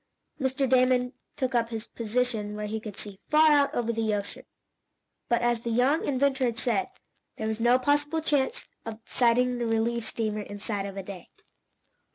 Mr. Damon took up his position where he could see far out over the ocean, but, as the young inventor had said, there was no possible chance of sighting the relief steamer inside of a day.